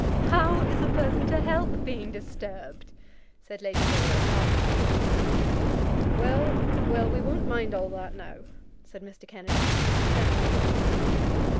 "How is a person to help being disturbed?" said Lady Laura, laughing. "Well, well; we won't mind all that now," said Mr. Kennedy, turning away.